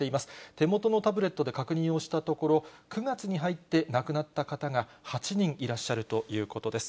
手元のタブレットで確認をしたところ、９月に入って亡くなった方が８人いらっしゃるということです。